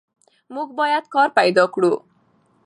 موږ باید کار پیدا کړو.